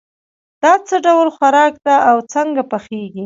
دا څه ډول خوراک ده او څنګه پخیږي